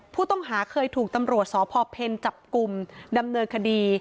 ผู้ต้องหาเคยถูกตำรวจสพเพลจับกลุ่มดำเนินคดี